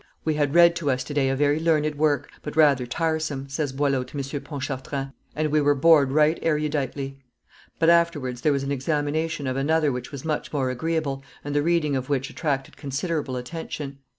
"We had read to us to day a very learned work, but rather tiresome," says Boileau to M. Pontchartrain, "and we were bored right eruditely; but afterwards there was an examination of another which was much more agreeable, and the reading of which attracted considerable attention.